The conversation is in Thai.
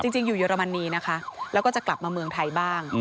จริงอยู่เยอรมนีนะคะแล้วก็จะกลับมาเมืองไทยบ้าง